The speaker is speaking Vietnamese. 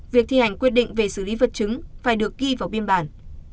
việc thi hành quyết định về xử lý vật chứng phải được ghi vào biên bản